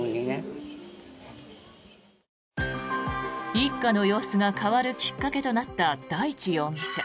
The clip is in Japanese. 一家の様子が変わるきっかけとなった大地容疑者。